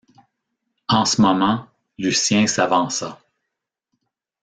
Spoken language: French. En ce moment, Lucien s’avança.